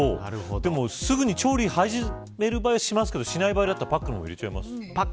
でも、すぐに調理を始める場合はしますけどしない場合はパックのまま入れちゃいます。